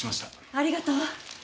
ありがとう。